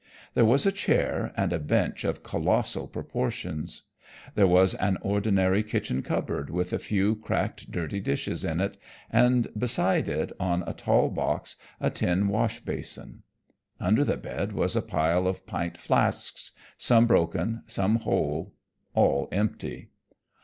There was a chair and a bench of colossal proportions. There was an ordinary kitchen cupboard with a few cracked dirty dishes in it, and beside it on a tall box a tin wash basin. Under the bed was a pile of pint flasks, some broken, some whole, all empty.